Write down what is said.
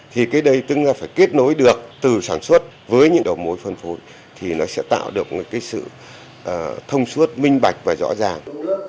thì cái đây tương ra phải kết nối được từ sản xuất với những đầu mối phân phối thì nó sẽ tạo được cái sự thông suốt minh bạch và rõ ràng